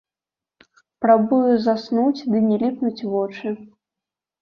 Прабуе заснуць, ды не ліпнуць вочы.